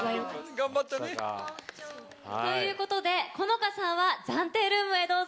頑張ったね。ということで好花さんは暫定ルームへどうぞ。